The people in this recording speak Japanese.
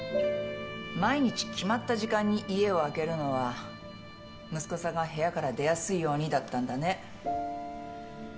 毎日決まった時間に家を空けるのは息子さんが部屋から出やすいようにだったんだね。